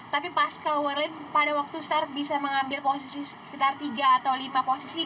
tapi pascal werlin pada waktu start bisa mengambil posisi sekitar tiga atau lima posisi